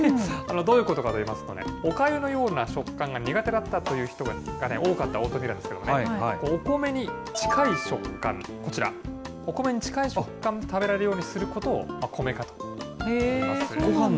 どういうことかといいますとね、おかゆのような食感が苦手だったという人が多かったオートミールなんですけれども、お米に近い食感、こちら、お米に近い食感で食べられるようにすることを米化といいまして。